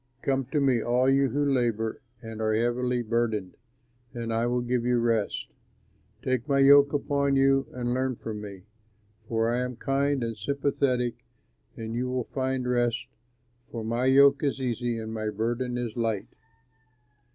"Come to me, all you who labor and are heavily burdened, and I will give you rest. Take my yoke upon you and learn of me, for I am kind and sympathetic, and you will find rest, for my yoke is easy and my burden light.